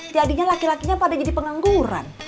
jadinya laki lakinya pada jadi pengangguran